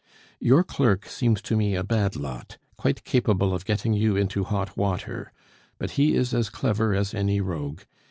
"Your clerk seems to me a bad lot, quite capable of getting you into hot water; but he is as clever as any rogue.